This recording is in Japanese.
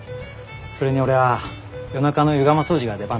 それに俺は夜中の湯釜掃除が出番だしな。